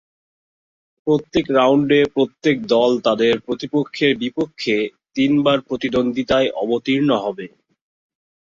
প্রত্যেক রাউন্ডে প্রত্যেক দল তাদের প্রতিপক্ষের বিপক্ষে তিনবার প্রতিদ্বন্দ্বিতায় অবতীর্ণ হবে।